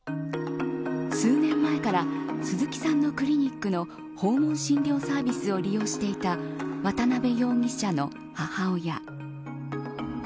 数年前から鈴木さんのクリニックの訪問診療サービスを利用していた渡辺容疑者の母親。